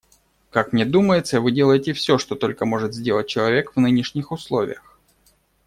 Как мне думается, вы делаете все, что только может сделать человек в нынешних условиях.